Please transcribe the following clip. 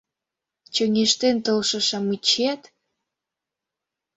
Чоҥештен толшо-шамычет...